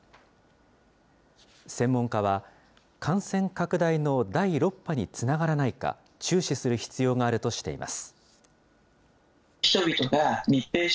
専門家は、感染拡大の第６波につながらないか、注視する必要があるとしています。